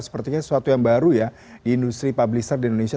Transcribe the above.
sepertinya sesuatu yang baru ya di industri publisher di indonesia